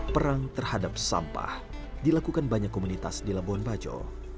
perang terhadap sampah dilakukan banyak komunitas di labuan bajo